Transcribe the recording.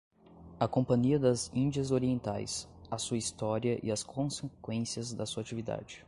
A Companhia das Indias Orientais - A Sua História e as Consequências da sua Actividade